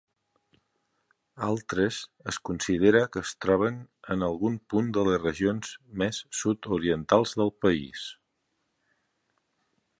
Altres es considera que es troben en algun punt de les regions més sud-orientals del país.